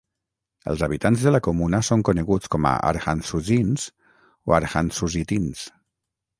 Els habitants de la comuna són coneguts com a "arhantsusins" o "arhantsusitins".